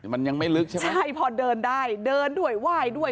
มันยังไม่ลึกใช่ไหมใช่พอเดินได้เดินด้วยไหว้ด้วย